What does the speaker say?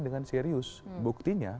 dengan serius buktinya